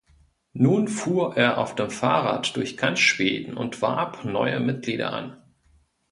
Nun fuhr er auf dem Fahrrad durch ganz Schweden und warb neue Mitglieder an.